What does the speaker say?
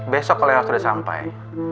besok kalau sudah sampai